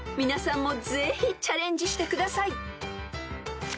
［皆さんもぜひチャレンジしてください］